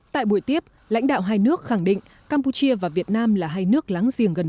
tại buổi tiếp lãnh đạo hai nước khẳng định campuchia và việt nam là hai nước láng giềng gần